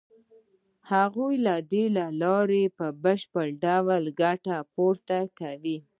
هغوی له دې لارې په بشپړ ډول ګټه پورته کوي